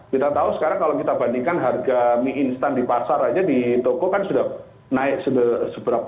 kita tahu sekarang kalau kita bandingkan harga mie instan di pasar aja di toko kan sudah naik seberapa